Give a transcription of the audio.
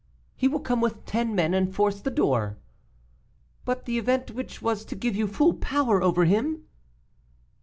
'He will come with ten men and force the door. 'But the event which was to give you full power over him?